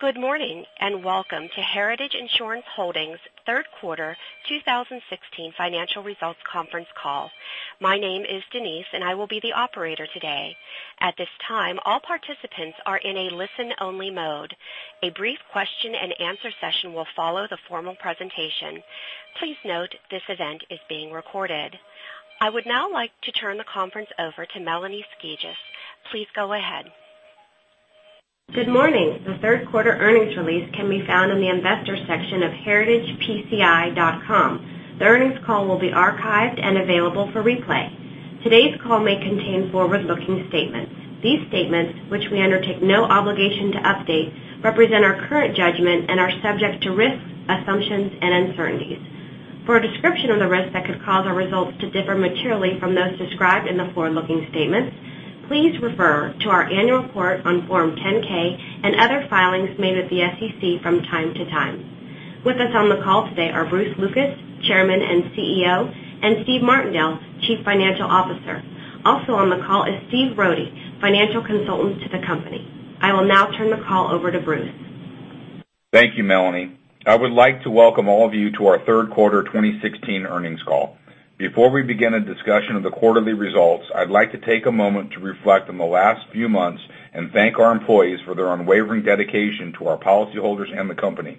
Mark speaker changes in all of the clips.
Speaker 1: Good morning. Welcome to Heritage Insurance Holdings' third quarter 2016 financial results conference call. My name is Denise. I will be the operator today. At this time, all participants are in a listen-only mode. A brief question and answer session will follow the formal presentation. Please note this event is being recorded. I would now like to turn the conference over to Melanie Skijus. Please go ahead.
Speaker 2: Good morning. The third quarter earnings release can be found in the investor section of heritagepci.com. The earnings call will be archived and available for replay. Today's call may contain forward-looking statements. These statements, which we undertake no obligation to update, represent our current judgment and are subject to risks, assumptions, and uncertainties. For a description of the risks that could cause our results to differ materially from those described in the forward-looking statements, please refer to our annual report on Form 10-K and other filings made at the SEC from time to time. With us on the call today are Bruce Lucas, Chairman and CEO, and Steven Martindale, Chief Financial Officer. Also on the call is Stephen Rohde, Financial Consultant to the company. I will now turn the call over to Bruce.
Speaker 3: Thank you, Melanie. I would like to welcome all of you to our third quarter 2016 earnings call. Before we begin a discussion of the quarterly results, I'd like to take a moment to reflect on the last few months and thank our employees for their unwavering dedication to our policyholders and the company.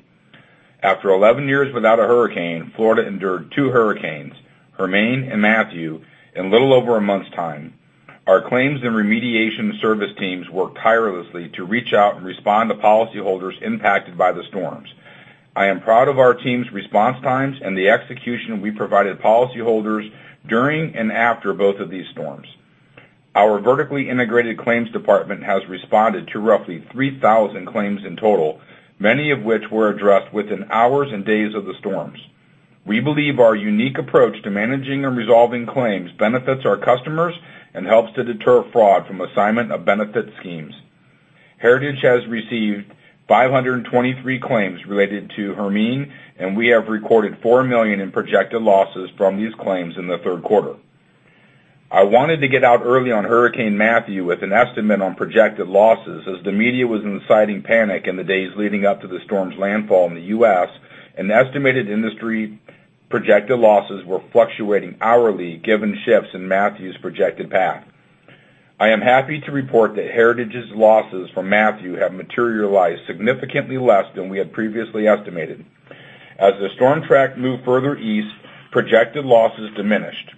Speaker 3: After 11 years without a hurricane, Florida endured two hurricanes, Hermine and Matthew, in a little over a month's time. Our claims and remediation service teams worked tirelessly to reach out and respond to policyholders impacted by the storms. I am proud of our team's response times and the execution we provided policyholders during and after both of these storms. Our vertically integrated claims department has responded to roughly 3,000 claims in total, many of which were addressed within hours and days of the storms. We believe our unique approach to managing and resolving claims benefits our customers and helps to deter fraud from Assignment of Benefits schemes. Heritage has received 523 claims related to Hermine, and we have recorded $4 million in projected losses from these claims in the third quarter. I wanted to get out early on Hurricane Matthew with an estimate on projected losses, as the media was inciting panic in the days leading up to the storm's landfall in the U.S., and estimated industry projected losses were fluctuating hourly, given shifts in Matthew's projected path. I am happy to report that Heritage's losses from Matthew have materialized significantly less than we had previously estimated. As the storm track moved further east, projected losses diminished.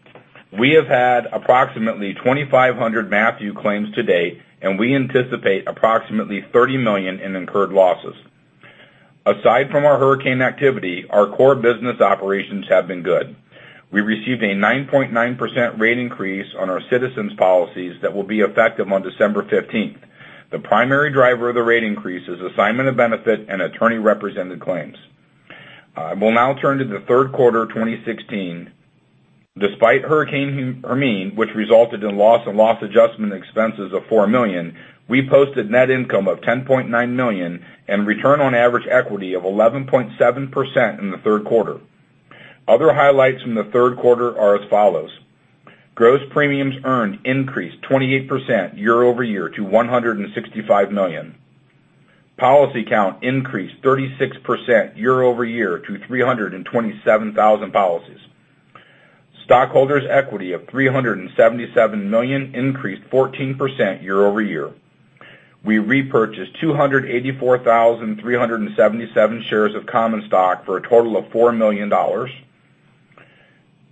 Speaker 3: We have had approximately 2,500 Matthew claims to date, and we anticipate approximately $30 million in incurred losses. Aside from our hurricane activity, our core business operations have been good. We received a 9.9% rate increase on our Citizens policies that will be effective on December 15th. The primary driver of the rate increase is Assignment of benefit and attorney-represented claims. I will now turn to the third quarter of 2016. Despite Hurricane Hermine, which resulted in loss and loss adjustment expenses of $4 million, we posted net income of $10.9 million and return on average equity of 11.7% in the third quarter. Other highlights from the third quarter are as follows. Gross premiums earned increased 28% year-over-year to $165 million. Policy count increased 36% year-over-year to 327,000 policies. Stockholders' equity of $377 million increased 14% year-over-year. We repurchased 284,377 shares of common stock for a total of $4 million.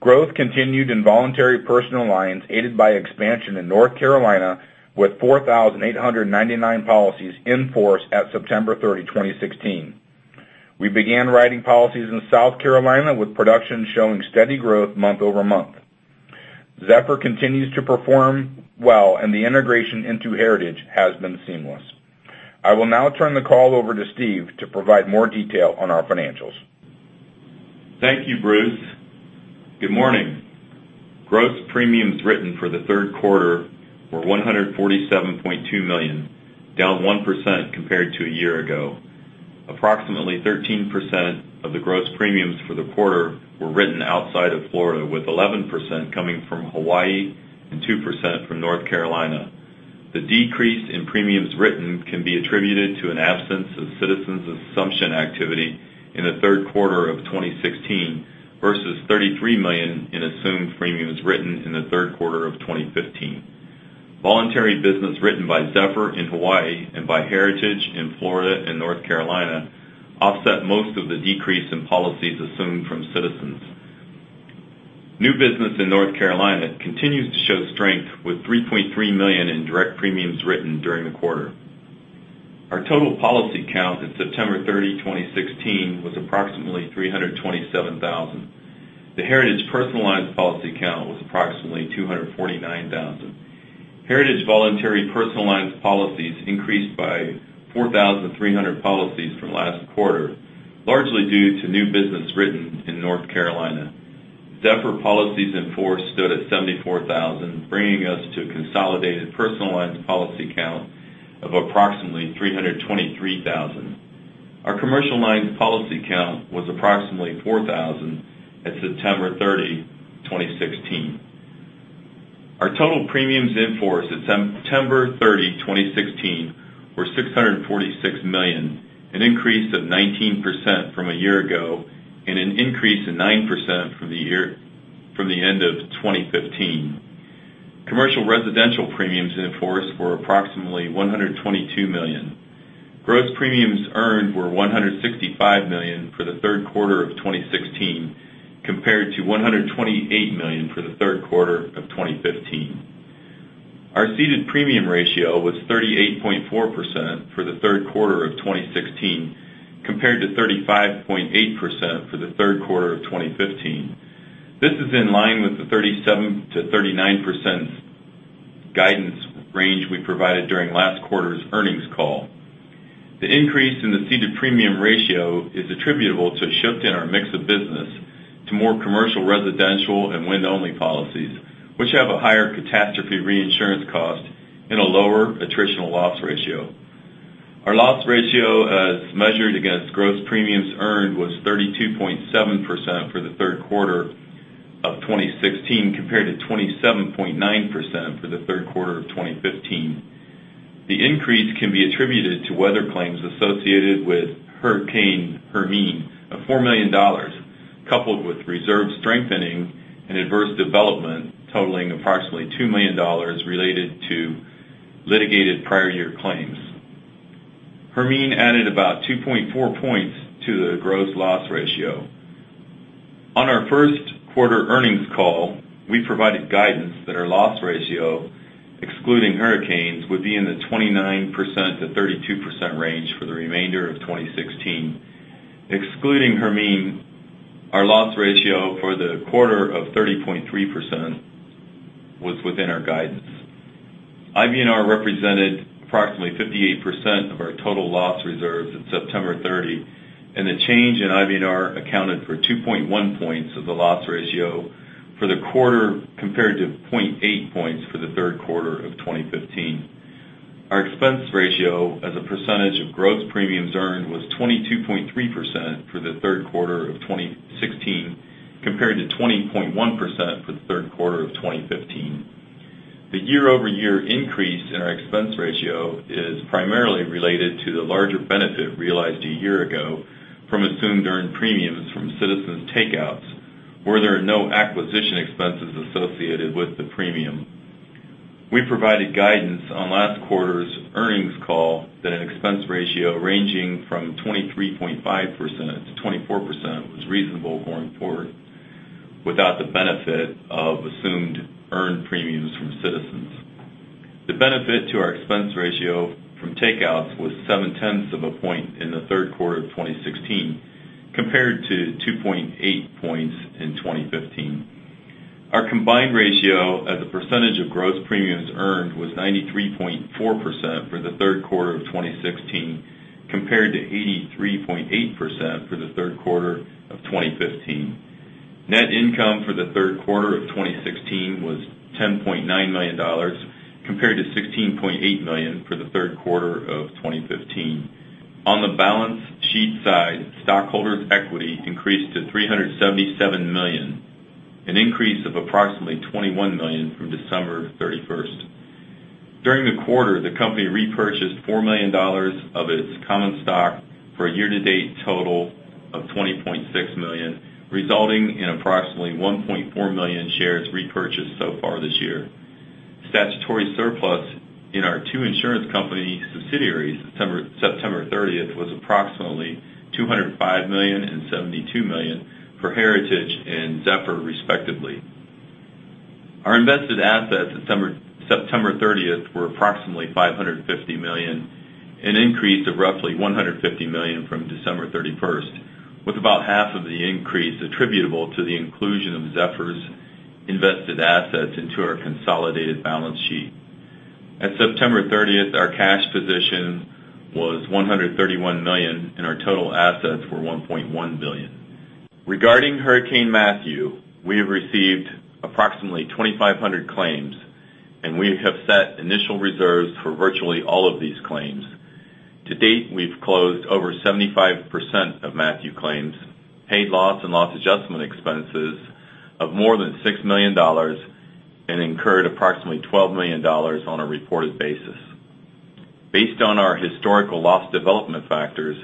Speaker 3: Growth continued in voluntary personal lines aided by expansion in North Carolina with 4,899 policies in force at September 30, 2016. We began writing policies in South Carolina with production showing steady growth month-over-month. Zephyr continues to perform well and the integration into Heritage has been seamless. I will now turn the call over to Steve to provide more detail on our financials.
Speaker 4: Thank you, Bruce. Good morning. Gross premiums written for the third quarter were $147.2 million, down 1% compared to a year ago. Approximately 13% of the gross premiums for the quarter were written outside of Florida, with 11% coming from Hawaii and 2% from North Carolina. The decrease in premiums written can be attributed to an absence of Citizens assumption activity in the third quarter of 2016 versus $33 million in assumed premiums written in the third quarter of 2015. Voluntary business written by Zephyr in Hawaii and by Heritage in Florida and North Carolina offset most of the decrease in policies assumed from Citizens. New business in North Carolina continues to show strength with $3.3 million in direct premiums written during the quarter. Our total policy count at September 30, 2016, was approximately 327,000. The Heritage personal lines policy count was approximately 249,000. Heritage voluntary personal lines policies increased by 4,300 policies from last quarter, largely due to new business written in North Carolina. Zephyr policies in force stood at 74,000, bringing us to a consolidated personal lines policy count of approximately 323,000. Our commercial lines policy count was approximately 4,000 at September 30, 2016. Our total premiums in force at September 30, 2016 were $646 million, an increase of 19% from a year ago and an increase of 9% from the end of 2015. Commercial residential premiums in force were approximately $122 million. Gross premiums earned were $165 million for the third quarter of 2016, compared to $128 million for the third quarter of 2015. Our ceded premium ratio was 38.4% for the third quarter of 2016, compared to 35.8% for the third quarter of 2015. This is in line with the 37%-39% guidance range we provided during last quarter's earnings call. The increase in the ceded premium ratio is attributable to a shift in our mix of business to more commercial residential and wind-only policies, which have a higher catastrophe reinsurance cost and a lower attritional loss ratio. Our loss ratio, as measured against gross premiums earned, was 32.7% for the third quarter of 2016, compared to 27.9% for the third quarter of 2015. The increase can be attributed to weather claims associated with Hurricane Hermine of $4 million, coupled with reserve strengthening and adverse development totaling approximately $2 million related to litigated prior year claims. Hermine added about 2.4 points to the gross loss ratio. On our first quarter earnings call, we provided guidance that our loss ratio, excluding hurricanes, would be in the 29%-32% range for the remainder of 2016. Excluding Hermine, our loss ratio for the quarter of 30.3% was within our guidance. IBNR represented approximately 58% of our total loss reserves at September 30, and the change in IBNR accounted for 2.1 points of the loss ratio for the quarter, compared to 0.8 points for the third quarter of 2015. Our expense ratio as a percentage of gross premiums earned was 22.3% for the third quarter of 2016, compared to 20.1% for the third quarter of 2015. The year-over-year increase in our expense ratio is primarily related to the larger benefit realized a year ago from assumed earned premiums from Citizens' takeouts, where there are no acquisition expenses associated with the premium. We provided guidance on last quarter's earnings call that an expense ratio ranging from 23.5%-24% was reasonable going forward without the benefit of assumed earned premiums from Citizens. The benefit to our expense ratio from takeouts was seven tenths of a point in the third quarter of 2016, compared to 2.8 points in 2015. Our combined ratio as a percentage of gross premiums earned was 93.4% for the third quarter of 2016, compared to 83.8% for the third quarter of 2015. Net income for the third quarter of 2016 was $10.9 million, compared to $16.8 million for the third quarter of 2015. On the balance sheet side, stockholders' equity increased to $377 million, an increase of approximately $21 million from December 31st. During the quarter, the company repurchased $4 million of its common stock for a year-to-date total of $20.6 million, resulting in approximately 1.4 million shares repurchased so far this year. Statutory surplus in our two insurance company subsidiaries, September 30th, was approximately $205 million and $72 million for Heritage and Zephyr, respectively. Our invested assets at September 30th were approximately $550 million, an increase of roughly $150 million from December 31st, with about half of the increase attributable to the inclusion of Zephyr's invested assets into our consolidated balance sheet. At September 30th, our cash position was $131 million, and our total assets were $1.1 billion. Regarding Hurricane Matthew, we have received approximately 2,500 claims, and we have set initial reserves for virtually all of these claims. To date, we've closed over 75% of Matthew claims, paid loss and loss adjustment expenses of more than $6 million, and incurred approximately $12 million on a reported basis. Based on our historical loss development factors,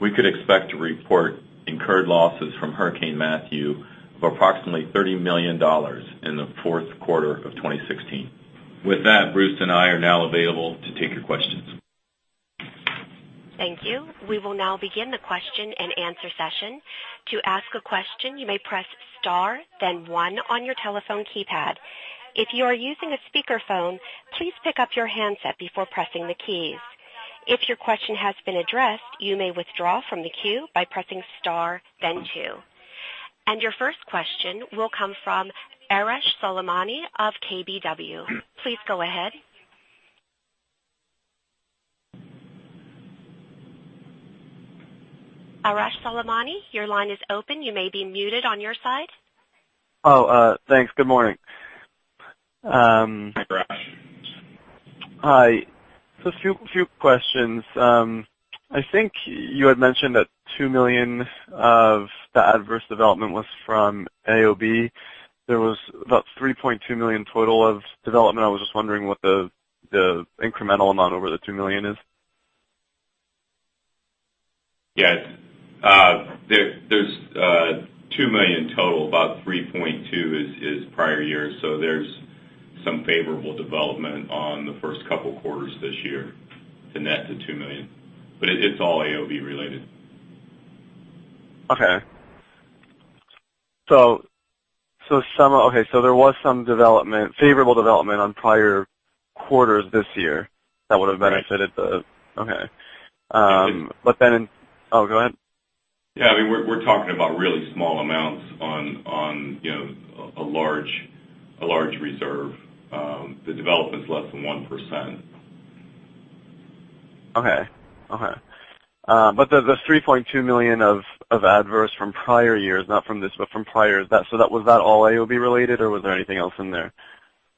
Speaker 4: we could expect to report incurred losses from Hurricane Matthew of approximately $30 million in the fourth quarter of 2016. With that, Bruce and I are now available to take your questions.
Speaker 1: Thank you. We will now begin the question and answer session. To ask a question, you may press star then one on your telephone keypad. If you are using a speakerphone, please pick up your handset before pressing the keys. If your question has been addressed, you may withdraw from the queue by pressing star then two. Your first question will come from Arash Soleimani of KBW. Please go ahead. Arash Soleimani, your line is open. You may be muted on your side.
Speaker 5: Oh, thanks. Good morning.
Speaker 3: Hi, Arash
Speaker 5: Hi. A few questions. I think you had mentioned that $2 million of the adverse development was from AOB. There was about $3.2 million total of development. I was just wondering what the incremental amount over the $2 million is.
Speaker 4: Yes. There's $2 million total. About $3.2 is prior year, so there's some favorable development on the first couple quarters this year to net to $2 million. It's all AOB related.
Speaker 5: Okay. There was some favorable development on prior quarters this year that would've benefited the.
Speaker 4: Right.
Speaker 5: Okay. Oh, go ahead.
Speaker 4: Yeah. We are talking about really small amounts on a large reserve. The development is less than 1%.
Speaker 5: Okay. The $3.2 million of adverse from prior years, not from this, from prior, was that all AOB related, or was there anything else in there?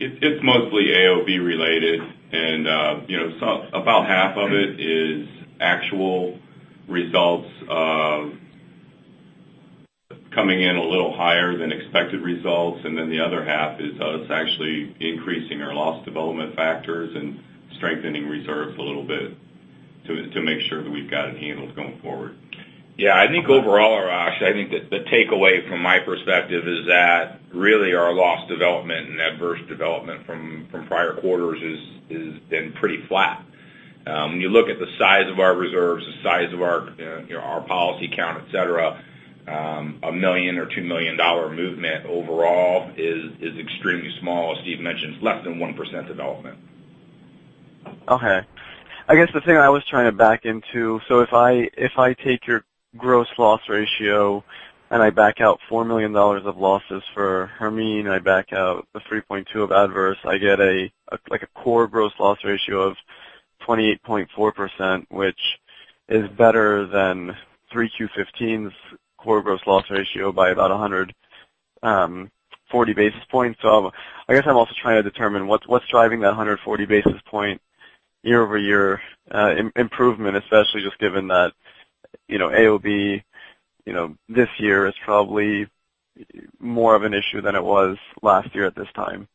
Speaker 4: It is mostly AOB related. About half of it is actual results of coming in a little higher than expected results, the other half is us actually increasing our loss development factors and strengthening reserves a little bit to make sure that we have got it handled going forward.
Speaker 3: Yeah, I think overall, Arash, I think that the takeaway from my perspective is that really our loss development and adverse development from prior quarters has been pretty flat. When you look at the size of our reserves, the size of our policy count, et cetera, a $1 million or $2 million movement overall is extremely small. As Steve mentioned, it is less than 1% development.
Speaker 5: Okay. I guess the thing I was trying to back into. If I take your gross loss ratio and I back out $4 million of losses for Hermine, I back out the $3.2 of adverse, I get a core gross loss ratio of 28.4%, which is better than 3Q15's core gross loss ratio by about 140 basis points. I guess I'm also trying to determine what's driving that 140 basis point year-over-year improvement, especially just given that AOB, this year is probably more of an issue than it was last year at this time.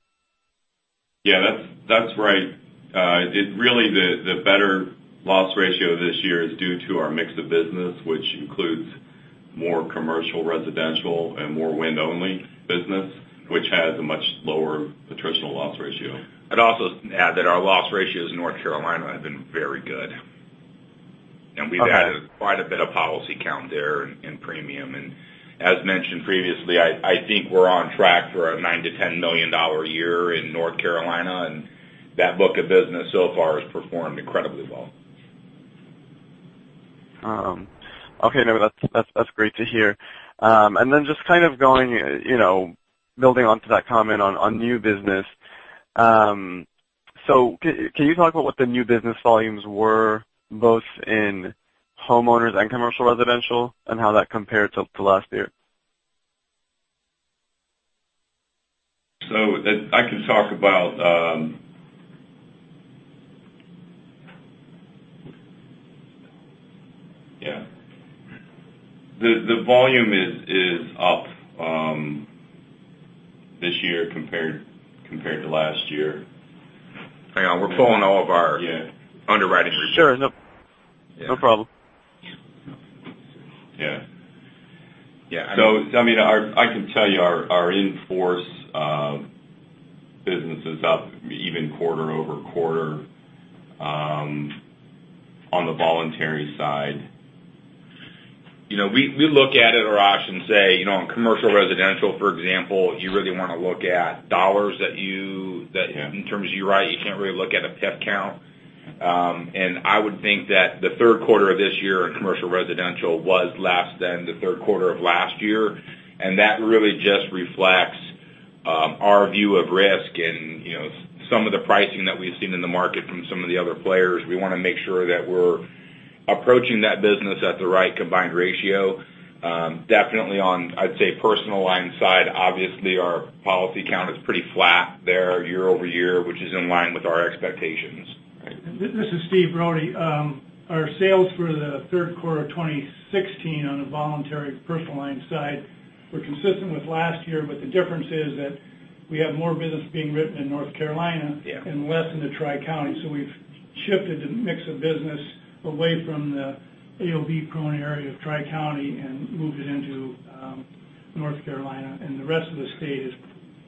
Speaker 4: Yeah. That's right. Really, the better loss ratio this year is due to our mix of business, which includes more commercial residential and more wind-only business, which has a much lower attritional loss ratio.
Speaker 3: I'd also add that our loss ratios in North Carolina have been very good.
Speaker 5: Okay.
Speaker 3: We've added quite a bit of policy count there in premium. As mentioned previously, I think we're on track for a $9 million-$10 million year in North Carolina, and that book of business so far has performed incredibly well.
Speaker 5: Okay. No, that's great to hear. Just kind of building onto that comment on new business. Can you talk about what the new business volumes were, both in homeowners and commercial residential, and how that compared to last year?
Speaker 4: I can talk about Yeah. The volume is up this year compared to last year.
Speaker 3: Hang on. We're pulling all of our-
Speaker 4: Yeah
Speaker 3: underwriting reports.
Speaker 5: Sure. No problem.
Speaker 4: Yeah.
Speaker 3: Yeah.
Speaker 4: I can tell you our in-force business is up even quarter-over-quarter on the voluntary side.
Speaker 3: We look at it, Arash, and say, on commercial residential, for example, you really want to look at dollars that.
Speaker 4: Yeah
Speaker 3: In terms of you're right, you can't really look at a policy count. I would think that the third quarter of this year in commercial residential was less than the third quarter of last year, and that really just reflects our view of risk and some of the pricing that we've seen in the market from some of the other players. We want to make sure that we're approaching that business at the right combined ratio. Definitely on, I'd say, personal line side, obviously our policy count is pretty flat there year-over-year, which is in line with our expectations.
Speaker 4: Right.
Speaker 6: This is Steve Rohde. Our sales for the third quarter of 2016 on the voluntary personal line side were consistent with last year, the difference is that we have more business being written in North Carolina.
Speaker 3: Yeah
Speaker 6: Less in the Tri-County. We've shifted the mix of business away from the AOB-prone area of Tri-County and moved it into North Carolina, the rest of the state is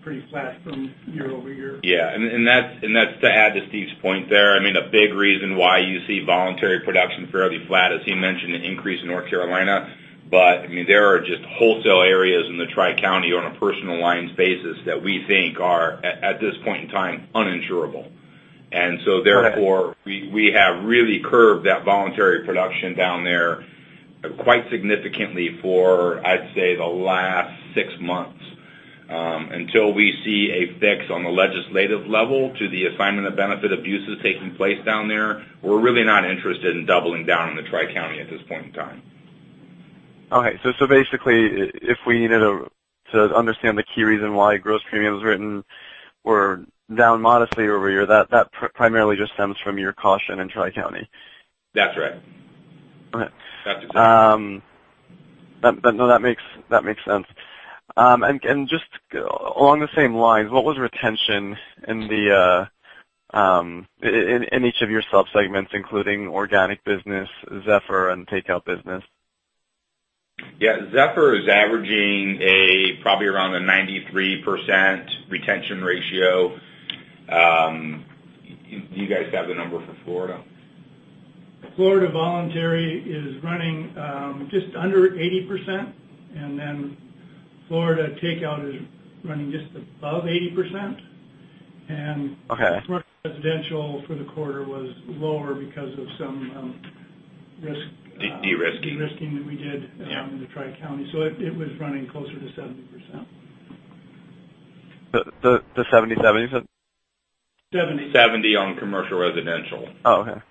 Speaker 6: pretty flat from year-over-year.
Speaker 3: Yeah. That's to add to Steve's point there. A big reason why you see voluntary production fairly flat, as he mentioned, an increase in North Carolina. There are just wholesale areas in the Tri-County on a personal lines basis that we think are, at this point in time, uninsurable. Therefore.
Speaker 5: Okay
Speaker 3: We have really curbed that voluntary production down there quite significantly for, I'd say, the last six months. Until we see a fix on the legislative level to the Assignment of Benefits abuses taking place down there, we're really not interested in doubling down in the Tri-County at this point in time.
Speaker 5: Basically, if we needed to understand the key reason why gross premiums written were down modestly over year, that primarily just stems from your caution in Tri County.
Speaker 3: That's right.
Speaker 5: Okay.
Speaker 3: That's exactly.
Speaker 5: That makes sense. Just along the same lines, what was retention in each of your sub-segments, including organic business, Zephyr, and takeout business?
Speaker 3: Yeah. Zephyr is averaging a probably around a 93% retention ratio. Do you guys have the number for Florida?
Speaker 4: Florida voluntary is running just under 80%. Florida takeout is running just above 80%.
Speaker 5: Okay.
Speaker 4: Commercial residential for the quarter was lower because of some risk-
Speaker 3: De-risking
Speaker 4: de-risking that we did-
Speaker 3: Yeah
Speaker 4: in the Tri-County. It was running closer to 70%.
Speaker 5: The 70 you said?
Speaker 3: 70 on commercial residential.
Speaker 5: Oh, okay.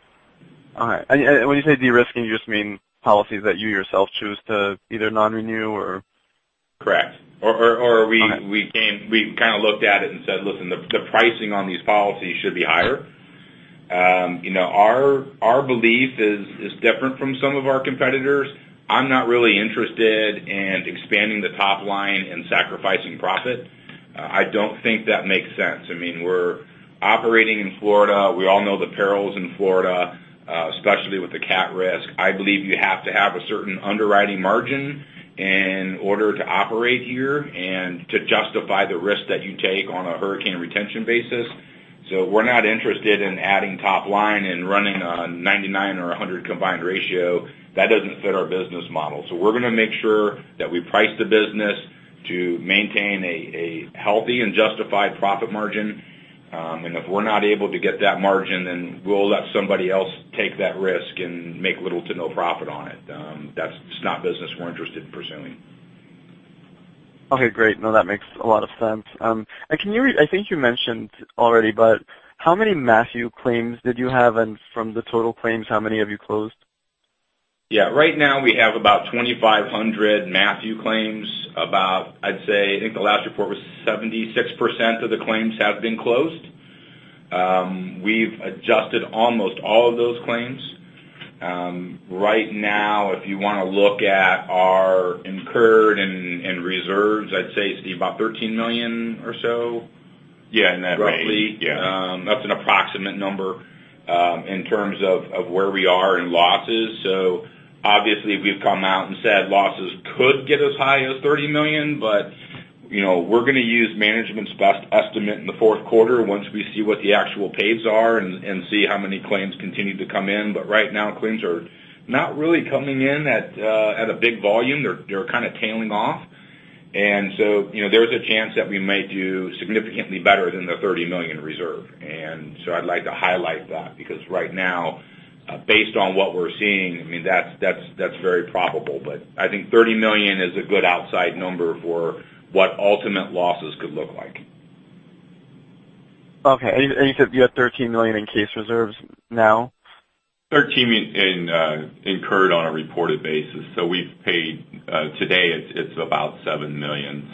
Speaker 5: All right. When you say de-risking, you just mean policies that you yourself choose to either non-renew or?
Speaker 3: Correct.
Speaker 5: Okay
Speaker 3: We kind of looked at it and said, look, the pricing on these policies should be higher. Our belief is different from some of our competitors. I'm not really interested in expanding the top line and sacrificing profit. I don't think that makes sense. We're operating in Florida. We all know the perils in Florida, especially with the cat risk. I believe you have to have a certain underwriting margin in order to operate here and to justify the risk that you take on a hurricane retention basis. We're not interested in adding top line and running on 99 or 100 combined ratio. That doesn't fit our business model. We're going to make sure that we price the business to maintain a healthy and justified profit margin. If we're not able to get that margin, we'll let somebody else take that risk and make little to no profit on it. That's not business we're interested in pursuing.
Speaker 5: Okay, great. That makes a lot of sense. I think you mentioned already, how many Matthew claims did you have? From the total claims, how many have you closed?
Speaker 3: Yeah, right now we have about 2,500 Matthew claims. About, I'd say, I think the last report was 76% of the claims have been closed. We've adjusted almost all of those claims. Right now, if you want to look at our incurred and reserves, I'd say it's about $13 million or so.
Speaker 7: Yeah, in that range.
Speaker 3: Roughly.
Speaker 7: Yeah.
Speaker 3: That's an approximate number, in terms of where we are in losses. Obviously, we've come out and said losses could get as high as $30 million, we're going to use management's best estimate in the fourth quarter once we see what the actual pays are and see how many claims continue to come in. Right now, claims are not really coming in at a big volume. They're kind of tailing off. There's a chance that we may do significantly better than the $30 million reserve. I'd like to highlight that, because right now, based on what we're seeing, that's very probable. I think $30 million is a good outside number for what ultimate losses could look like.
Speaker 5: Okay. You said you have $13 million in case reserves now?
Speaker 4: 13 in incurred on a reported basis. We've paid, today it's about $7 million.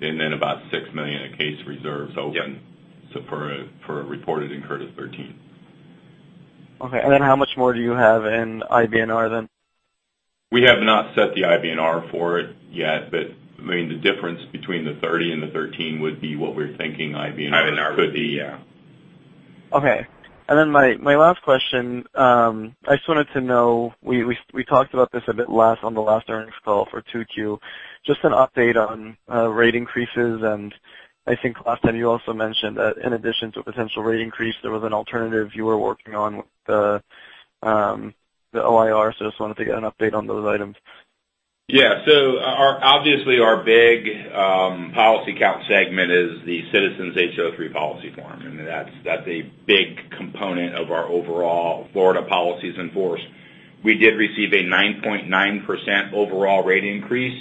Speaker 4: Then about $6 million in case reserves open.
Speaker 3: Yeah.
Speaker 4: For a reported incurred is 13.
Speaker 5: Okay. How much more do you have in IBNR then?
Speaker 4: We have not set the IBNR for it yet, the difference between the 30 and the 13 would be what we're thinking IBNR could be.
Speaker 3: IBNR would be, yeah.
Speaker 5: Okay. My last question, I just wanted to know, we talked about this a bit less on the last earnings call for 2Q. Just an update on rate increases, and I think last time you also mentioned that in addition to a potential rate increase, there was an alternative you were working on with the OIR. I just wanted to get an update on those items.
Speaker 3: Yeah. Obviously our big policy count segment is the Citizens HO-3 policy form, and that's a big component of our overall Florida policies in force. We did receive a 9.9% overall rate increase.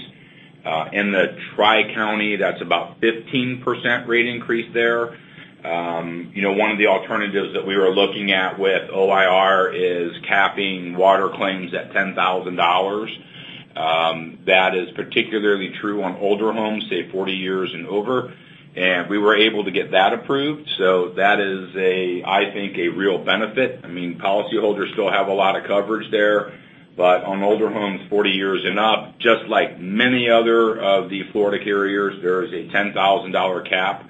Speaker 3: In the Tri-County, that's about 15% rate increase there. One of the alternatives that we were looking at with OIR is capping water claims at $10,000. That is particularly true on older homes, say 40 years and over. We were able to get that approved, so that is, I think, a real benefit. Policyholders still have a lot of coverage there, but on older homes, 40 years and up, just like many other of the Florida carriers, there is a $10,000 cap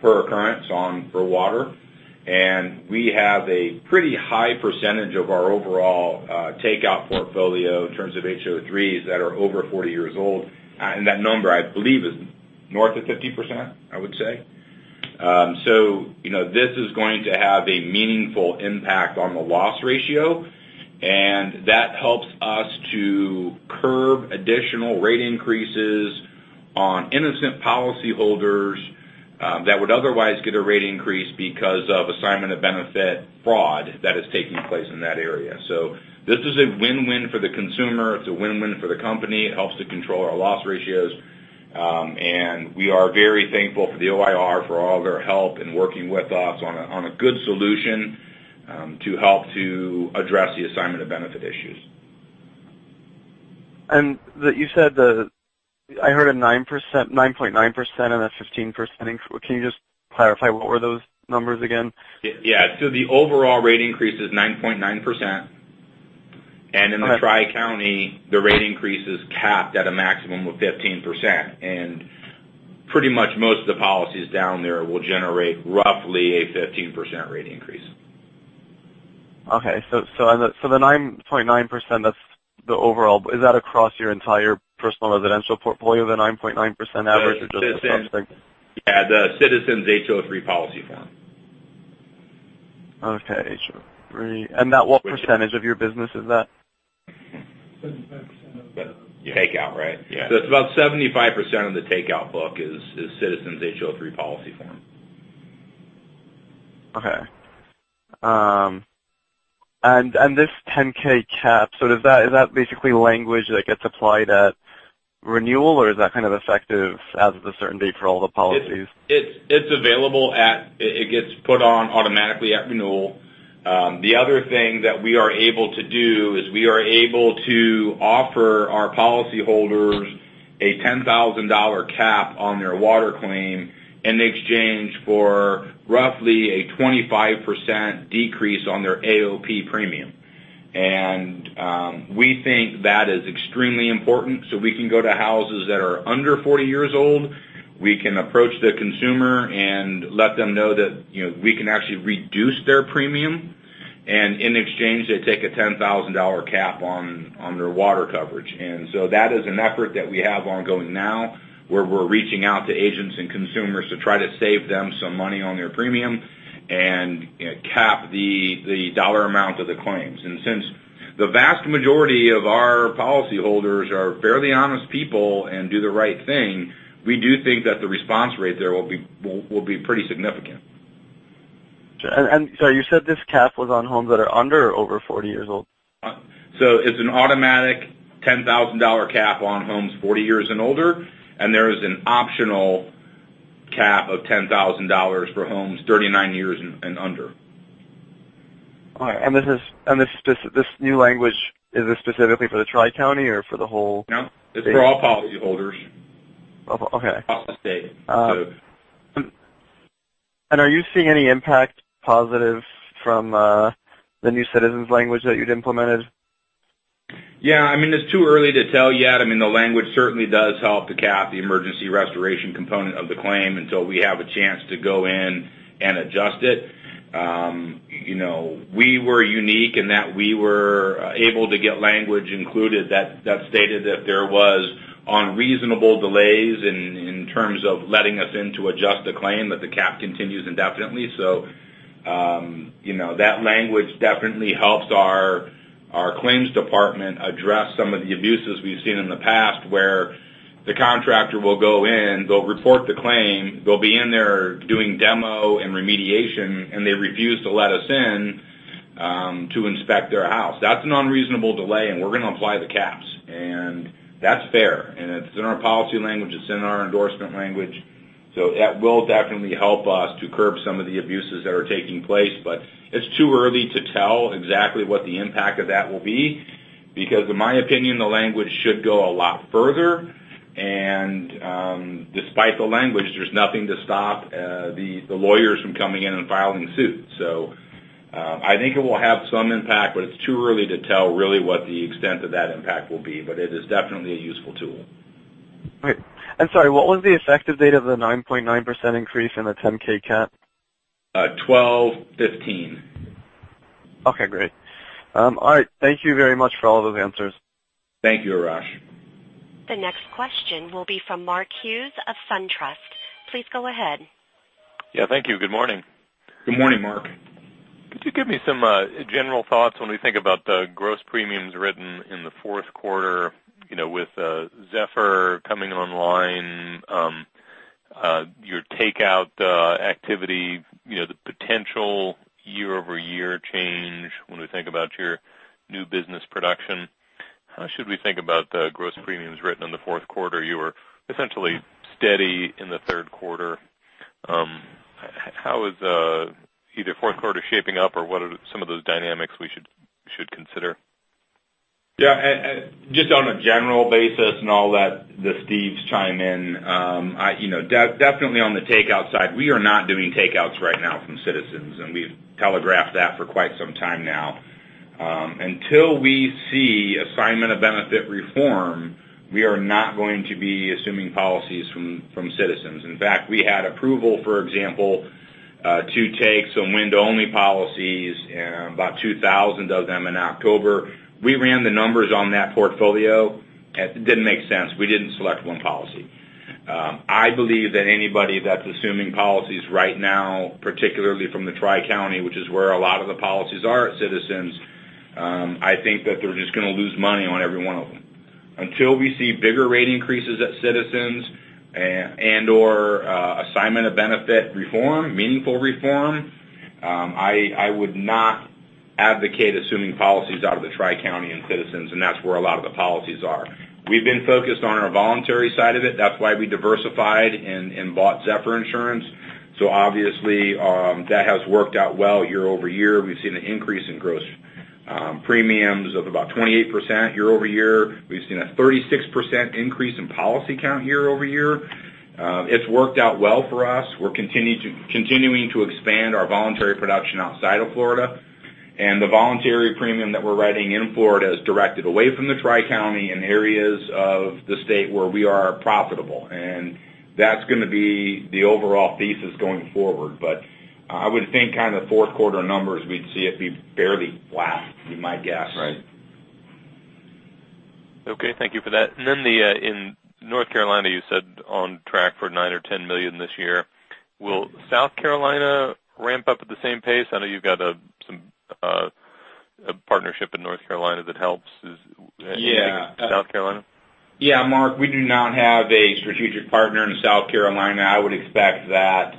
Speaker 3: per occurrence for water. We have a pretty high percentage of our overall takeout portfolio in terms of HO-3s that are over 40 years old. That number, I believe, is north of 50%, I would say. This is going to have a meaningful impact on the loss ratio, and that helps us to curb additional rate increases on innocent policyholders that would otherwise get a rate increase because of Assignment of Benefits fraud that is taking place in that area. This is a win-win for the consumer. It's a win-win for the company. It helps to control our loss ratios. We are very thankful for the OIR for all their help in working with us on a good solution to help to address the Assignment of Benefits issues.
Speaker 5: You said I heard a 9.9% and a 15% increase. Can you just clarify what were those numbers again?
Speaker 3: Yeah. The overall rate increase is 9.9%. In the Tri-County, the rate increase is capped at a maximum of 15%. Pretty much most of the policies down there will generate roughly a 15% rate increase.
Speaker 5: Okay. The 9.9%, that's the overall. Is that across your entire personal residential portfolio, the 9.9% average, or just the Citizens?
Speaker 3: Yeah, the Citizens HO-3 policy form.
Speaker 5: Okay. HO-3. What % of your business is that?
Speaker 3: 75% of the takeout. Takeout, right? Yeah. It's about 75% of the takeout book is Citizens HO-3 policy form.
Speaker 5: Okay. This 10K cap, is that basically language that gets applied at renewal, or is that kind of effective as of the certainty for all the policies?
Speaker 3: It gets put on automatically at renewal. The other thing that we are able to do is we are able to offer our policyholders a $10,000 cap on their water claim in exchange for roughly a 25% decrease on their AOP premium. We think that is extremely important, we can go to houses that are under 40 years old, we can approach the consumer and let them know that we can actually reduce their premium. In exchange, they take a $10,000 cap on their water coverage. That is an effort that we have ongoing now, where we're reaching out to agents and consumers to try to save them some money on their premium and cap the dollar amount of the claims. Since the vast majority of our policyholders are fairly honest people and do the right thing, we do think that the response rate there will be pretty significant.
Speaker 5: Sorry, you said this cap was on homes that are under or over 40 years old?
Speaker 3: It's an automatic $10,000 cap on homes 40 years and older, and there is an optional cap of $10,000 for homes 39 years and under.
Speaker 5: All right. This new language, is this specifically for the Tri-County or for the whole-
Speaker 3: No, it's for all policyholders.
Speaker 5: Okay.
Speaker 3: Across the state.
Speaker 5: Are you seeing any impact positive from the new Citizens language that you'd implemented?
Speaker 3: Yeah, it's too early to tell yet. The language certainly does help to cap the emergency restoration component of the claim until we have a chance to go in and adjust it. We were unique in that we were able to get language included that stated if there was unreasonable delays in terms of letting us in to adjust a claim, that the cap continues indefinitely. That language definitely helps our claims department address some of the abuses we've seen in the past, where the contractor will go in, they'll report the claim, they'll be in there doing demo and remediation, and they refuse to let us in to inspect their house. That's an unreasonable delay, and we're going to apply the caps. That's fair, and it's in our policy language, it's in our endorsement language. That will definitely help us to curb some of the abuses that are taking place, but it's too early to tell exactly what the impact of that will be. In my opinion, the language should go a lot further. Despite the language, there's nothing to stop the lawyers from coming in and filing suit. I think it will have some impact, but it's too early to tell really what the extent of that impact will be. It is definitely a useful tool.
Speaker 5: Great. Sorry, what was the effective date of the 9.9% increase and the 10K cap?
Speaker 3: 12/15.
Speaker 5: Okay, great. All right. Thank you very much for all of those answers.
Speaker 3: Thank you, Arash.
Speaker 1: The next question will be from Mark Hughes of SunTrust. Please go ahead.
Speaker 8: Yeah, thank you. Good morning.
Speaker 3: Good morning, Mark.
Speaker 8: Could you give me some general thoughts when we think about the gross premiums written in the fourth quarter with Zephyr coming online, your takeout activity, the potential year-over-year change when we think about your new business production? How should we think about the gross premiums written in the fourth quarter? You were essentially steady in the third quarter. How is either fourth quarter shaping up, or what are some of those dynamics we should consider?
Speaker 3: Yeah. Just on a general basis I'll let the Steves chime in. Definitely on the takeout side, we are not doing takeouts right now from Citizens, and we've telegraphed that for quite some time now. Until we see Assignment of Benefits reform, we are not going to be assuming policies from Citizens. In fact, we had approval, for example, to take some wind-only policies, about 2,000 of them in October. We ran the numbers on that portfolio. It didn't make sense. We didn't select one policy. I believe that anybody that's assuming policies right now, particularly from the Tri-County, which is where a lot of the policies are at Citizens, I think that they're just going to lose money on every one of them. Until we see bigger rate increases at Citizens and/or Assignment of Benefits reform, meaningful reform, I would not advocate assuming policies out of the Tri-County and Citizens, and that's where a lot of the policies are. We've been focused on our voluntary side of it. That's why we diversified and bought Zephyr Insurance. Obviously, that has worked out well year-over-year. We've seen an increase in gross premiums of about 28% year-over-year. We've seen a 36% increase in policy count year-over-year. It's worked out well for us. We're continuing to expand our voluntary production outside of Florida. The voluntary premium that we're writing in Florida is directed away from the Tri-County in areas of the state where we are profitable. That's going to be the overall thesis going forward. I would think kind of the fourth quarter numbers we'd see it be barely flat, would be my guess.
Speaker 4: Right.
Speaker 8: Okay, thank you for that. In North Carolina, you said on track for $9 million or $10 million this year. Will South Carolina ramp up at the same pace? I know you've got some partnership in North Carolina that helps. Is it the same in South Carolina?
Speaker 3: Yeah, Mark, we do not have a strategic partner in South Carolina. I would expect that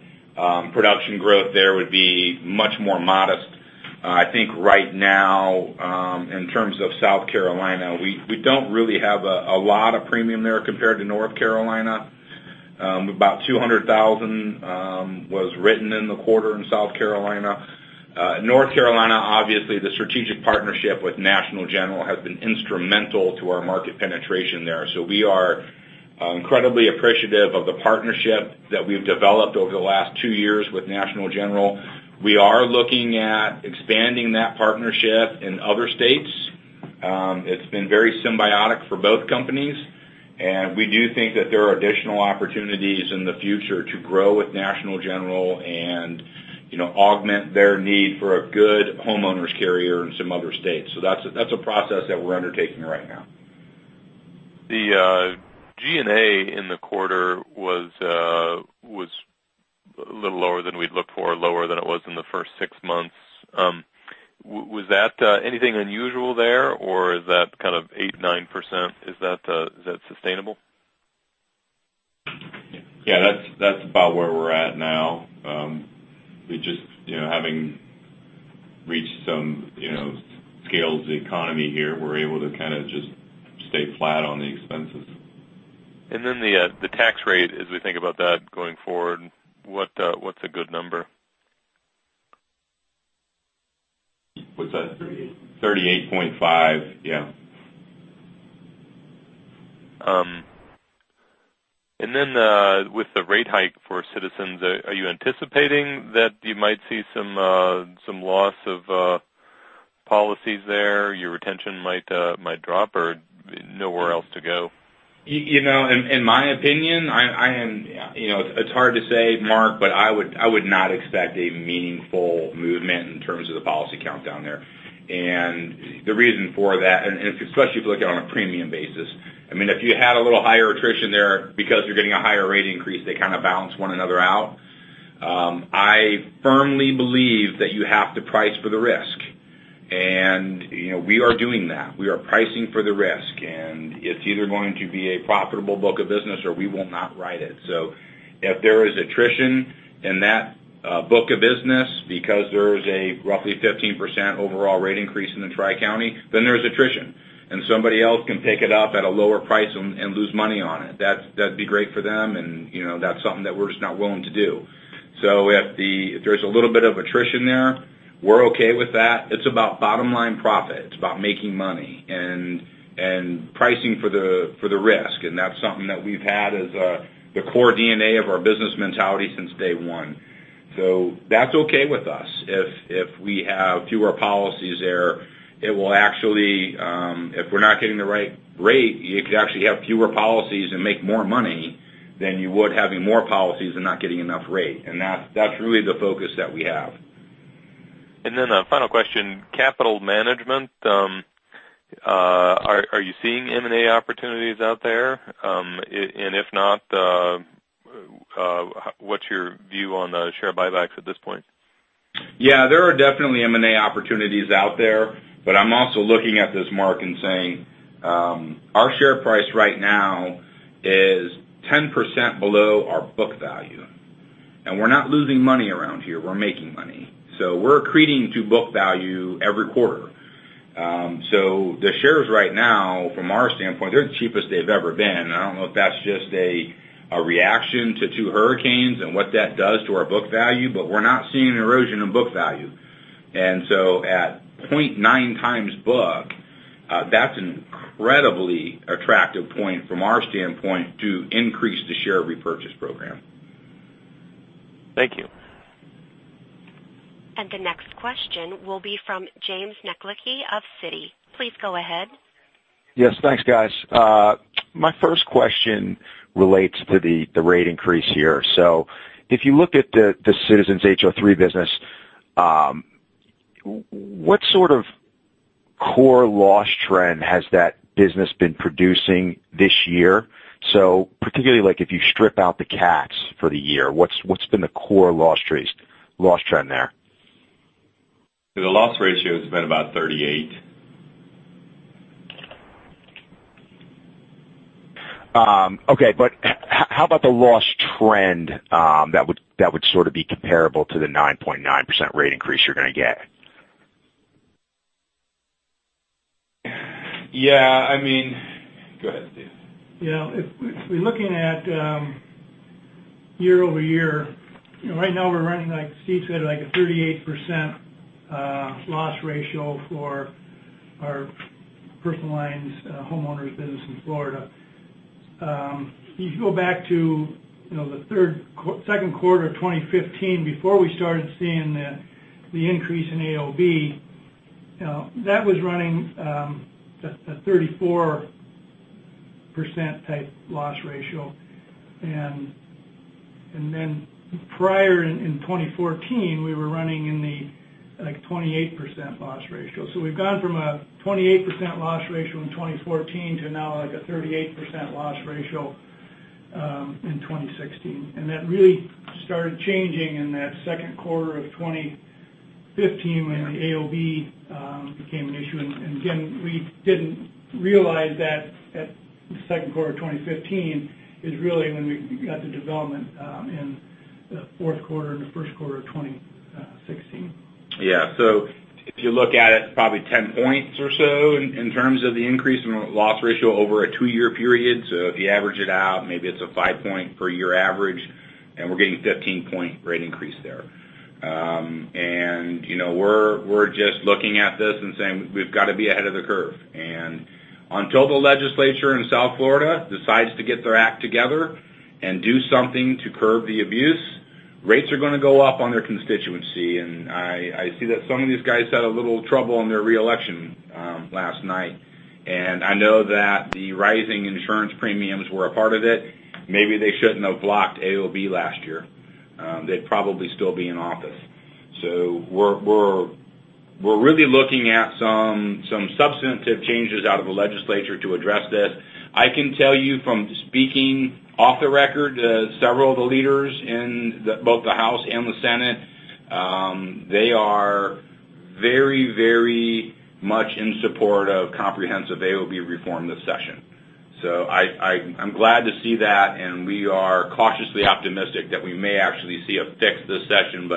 Speaker 3: production growth there would be much more modest. I think right now, in terms of South Carolina, we don't really have a lot of premium there compared to North Carolina. About $200,000 was written in the quarter in South Carolina. North Carolina, obviously, the strategic partnership with National General has been instrumental to our market penetration there. We are incredibly appreciative of the partnership that we've developed over the last two years with National General. We are looking at expanding that partnership in other states. It's been very symbiotic for both companies, and we do think that there are additional opportunities in the future to grow with National General and augment their need for a good homeowners carrier in some other states. That's a process that we're undertaking right now.
Speaker 8: The G&A in the quarter was a little lower than we'd looked for, lower than it was in the first six months. Was that anything unusual there? Is that kind of 8%, 9% sustainable?
Speaker 4: That's about where we're at now. We're just having reached some scale economy here, we're able to kind of just stay flat on the expenses.
Speaker 8: The tax rate, as we think about that going forward, what's a good number?
Speaker 3: What's that? 38.5, yeah.
Speaker 8: Then, with the rate hike for Citizens, are you anticipating that you might see some loss of policies there, your retention might drop or nowhere else to go?
Speaker 3: In my opinion, it's hard to say, Mark, I would not expect a meaningful movement in terms of the policy count down there. The reason for that, especially if you look at it on a premium basis, if you had a little higher attrition there because you're getting a higher rate increase, they kind of balance one another out. I firmly believe that you have to price for the risk. We are doing that. We are pricing for the risk, and it's either going to be a profitable book of business, or we will not write it. If there is attrition in that book of business because there's a roughly 15% overall rate increase in the Tri-County, there's attrition, somebody else can pick it up at a lower price and lose money on it. That'd be great for them, that's something that we're just not willing to do. If there's a little bit of attrition there, we're okay with that. It's about bottom line profit. It's about making money and pricing for the risk. That's something that we've had as the core DNA of our business mentality since day one. That's okay with us. If we have fewer policies there, if we're not getting the right rate, you could actually have fewer policies and make more money than you would having more policies and not getting enough rate. That's really the focus that we have.
Speaker 8: A final question. Capital management. Are you seeing M&A opportunities out there? If not, what's your view on share buybacks at this point?
Speaker 3: There are definitely M&A opportunities out there, but I'm also looking at this mark and saying, our share price right now is 10% below our book value. We're not losing money around here, we're making money. We're accreting to book value every quarter. The shares right now, from our standpoint, they're the cheapest they've ever been. I don't know if that's just a reaction to two hurricanes and what that does to our book value, but we're not seeing an erosion in book value. At 0.9 times book, that's an incredibly attractive point from our standpoint to increase the share repurchase program.
Speaker 8: Thank you.
Speaker 1: The next question will be from James Shuck of Citi. Please go ahead.
Speaker 9: Yes, thanks guys. My first question relates to the rate increase here. If you look at the Citizens HO-3 business, what sort of core loss trend has that business been producing this year? Particularly, if you strip out the cats for the year, what's been the core loss trend there?
Speaker 4: The loss ratio has been about 38%.
Speaker 9: Okay, how about the loss trend that would sort of be comparable to the 9.9% rate increase you're going to get?
Speaker 3: Yeah. I mean, go ahead, Steve.
Speaker 6: year-over-year, right now we're running, like Steve said, like a 38% loss ratio for our personal lines homeowners business in Florida. If you go back to the second quarter of 2015, before we started seeing the increase in AOB, that was running at 34%-type loss ratio. Prior in 2014, we were running in the, like, 28% loss ratio. We've gone from a 28% loss ratio in 2014 to now like a 38% loss ratio in 2016. That really started changing in that second quarter of 2015 when the AOB became an issue. Again, we didn't realize that at the second quarter of 2015 is really when we got the development in the fourth quarter and the first quarter of 2016.
Speaker 3: Yeah. If you look at it, probably 10 points or so in terms of the increase in loss ratio over a two-year period. If you average it out, maybe it's a five-point per year average, and we're getting 15-point rate increase there. We're just looking at this and saying we've got to be ahead of the curve. Until the legislature in South Florida decides to get their act together and do something to curb the abuse, rates are going to go up on their constituency. I see that some of these guys had a little trouble in their reelection last night, and I know that the rising insurance premiums were a part of it. Maybe they shouldn't have blocked AOB last year. They'd probably still be in office. We're really looking at some substantive changes out of the legislature to address this. I can tell you from speaking off the record to several of the leaders in both the House and the Senate, they are very, very much in support of comprehensive AOB reform this session. I'm glad to see that, and we are cautiously optimistic that we may actually see a fix this session.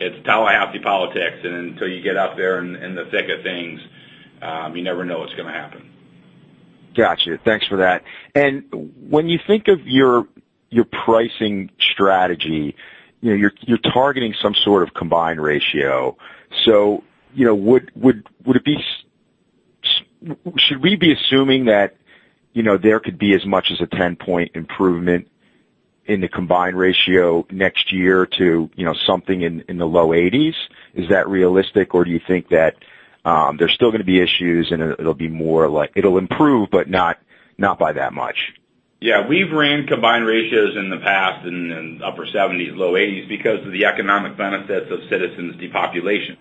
Speaker 3: It's Tallahassee politics, and until you get out there in the thick of things, you never know what's going to happen.
Speaker 9: Got you. Thanks for that. When you think of your pricing strategy, you're targeting some sort of combined ratio. Should we be assuming that there could be as much as a 10-point improvement in the combined ratio next year to something in the low 80s? Is that realistic, or do you think that there's still going to be issues, and it'll improve, but not by that much?
Speaker 3: Yeah. We've ran combined ratios in the past in upper 70s, low 80s because of the economic benefits of Citizens depopulations.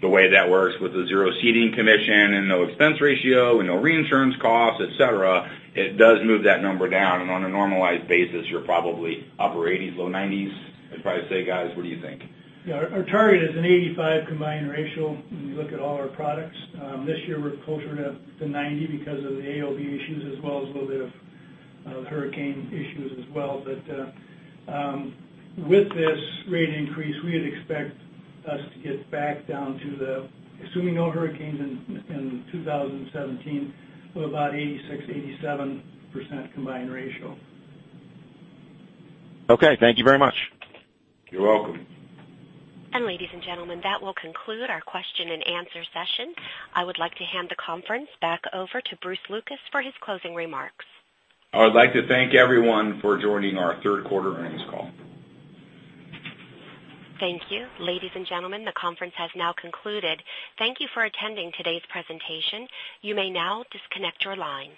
Speaker 3: The way that works with the zero ceding commission and no expense ratio and no reinsurance costs, et cetera, it does move that number down. On a normalized basis, you're probably upper 80s, low 90s. I'd probably say, guys, what do you think?
Speaker 6: Yeah. Our target is an 85% combined ratio when you look at all our products. This year we're closer to 90% because of the AOB issues as well as a little bit of hurricane issues as well. With this rate increase, we would expect us to get back down to the, assuming no hurricanes in 2017, to about 86%, 87% combined ratio.
Speaker 9: Okay. Thank you very much.
Speaker 3: You're welcome.
Speaker 1: Ladies and gentlemen, that will conclude our question and answer session. I would like to hand the conference back over to Bruce Lucas for his closing remarks.
Speaker 3: I would like to thank everyone for joining our third quarter earnings call.
Speaker 1: Thank you. Ladies and gentlemen, the conference has now concluded. Thank you for attending today's presentation. You may now disconnect your lines.